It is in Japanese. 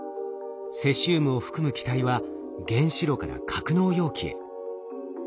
セシウムを含む気体は原子炉から格納容器へ。